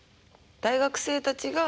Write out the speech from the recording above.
大学生たちが。